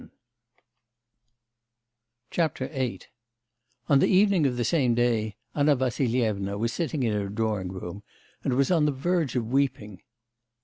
VIII On the evening of the same day, Anna Vassilyevna was sitting in her drawing room and was on the verge of weeping.